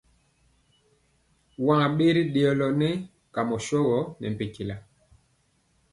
Waŋ bɛri dëɔlo nɛ kamɔ shogɔ ne mpɛntyɛla.